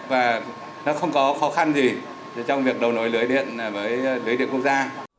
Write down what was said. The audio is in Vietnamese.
và nó không có khó khăn gì trong việc đấu nối lưới điện với lưới điện quốc gia